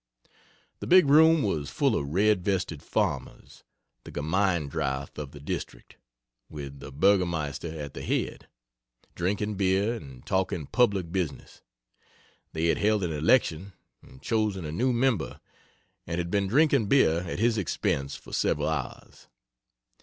The big room was full of red vested farmers (the Gemeindrath of the district, with the Burgermeister at the head,) drinking beer and talking public business. They had held an election and chosen a new member and had been drinking beer at his expense for several hours.